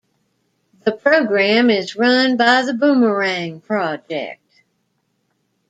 The program is run by the Boomerang Project.